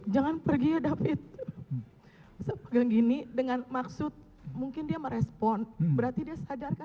jangan pergi ya david saya pegang gini dengan maksud mungkin dia merespon berarti dia sadarkan yang mulia